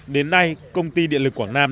đến nay công ty điện lực quảng nam